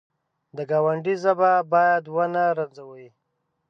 د ګاونډي ژبه باید ونه رنځوي